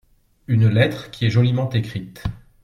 Une lettre qui est joliment écrite.